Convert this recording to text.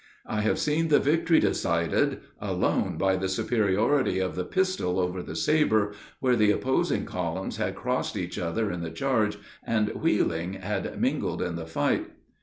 I have seen the victory decided alone by the superiority of the pistol over the saber, where the opposing columns had crossed each other in the charge and, wheeling, had mingled in the fight.